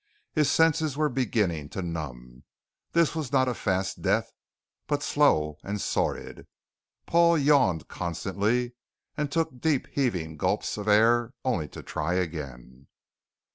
His senses were beginning to numb. This was not a fast death, but slow and sordid. Paul yawned constantly, and took deep heaving gulps of air only to try again.